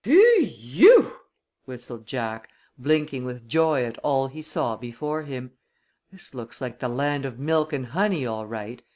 "Phe e ew!" whistled Jack, blinking with joy at all he saw before him. "This looks like the land of milk and honey all right.